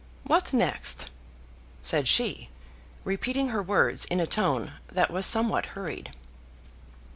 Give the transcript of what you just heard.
"What next?" said she, repeating her words in a tone that was somewhat hurried.